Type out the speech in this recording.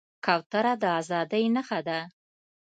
کوتره د ازادۍ نښه ده.